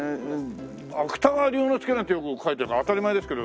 芥川龍之介なんてよく書いてるから当たり前ですけど。